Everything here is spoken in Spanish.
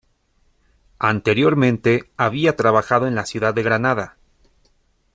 Anteriormente había trabajado en la ciudad de Granada.